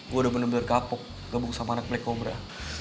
gue udah bener bener kapok gabung sama anak black cobra